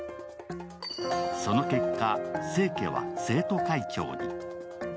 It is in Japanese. その結果、清家は生徒会長に。